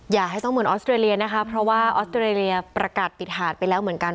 อย่าให้ต้องเหมือนออสเตรเลียนะคะเพราะว่าออสเตรเลียประกาศปิดหาดไปแล้วเหมือนกัน